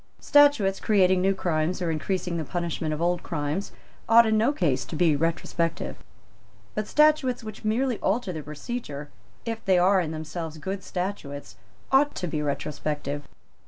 Statutes creating new crimes or increasing the punishment of old crimes ought in no case to be retrospective. But statutes which merely alter the procedure, if they are in themselves good statutes, ought to be retrospective.